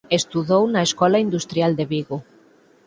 Estudou na Escola Industrial de Vigo.